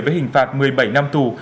với hình phạt một mươi bảy năm tù